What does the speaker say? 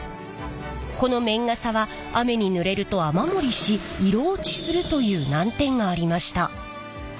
この綿傘は雨にぬれると雨漏りし色落ちするという難点がありました。